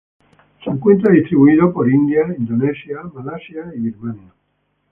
Se encuentra distribuido por India, Indonesia, Malasia y Birmania.